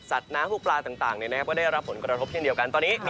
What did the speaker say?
ซะน้ำซักน็ารอปปรักย์กระทบ